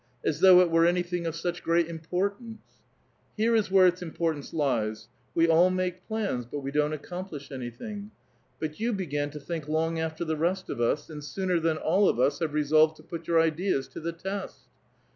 As thoujih it were anything of such great importance !"*' Here is where its importance lies : we all make plans, but we iloiTt accomplish any thing. But you began to think' long after the rest of us, and sooner than all of us have re solved to put your ideas to the test."